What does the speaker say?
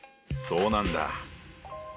そうなんだ。